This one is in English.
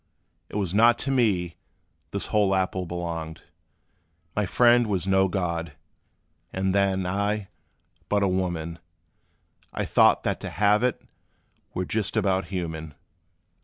It was not to me this whole apple belonged: My friend was no god and then I, but a woman; I thought that to halve it were just about human.